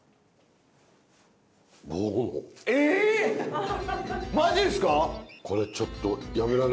えマジっすか？